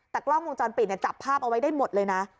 แต่กล้องวงจรปิดจับภาพเอาไว้ได้หมดเลยนะ